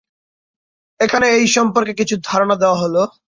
এখানে এই সম্পর্কে কিছু ধারণা দেয়া হল।